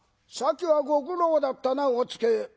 さっきはご苦労だったなお使え。